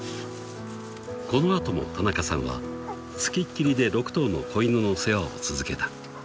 ［この後も田中さんは付きっきりで６頭の子犬の世話を続けた］